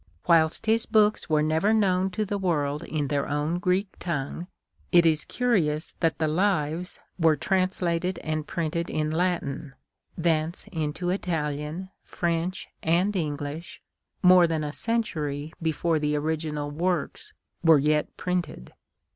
Whilst his books were never known to the world in their own Greek tongue, it is χ INTRODUCTION. curious that the " Lives " were translated and printed in Latin, thence into Italian, French, and English, more than a century before the original " Works" were yet printed.